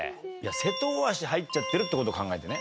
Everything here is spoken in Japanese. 瀬戸大橋入っちゃってるって事考えてね。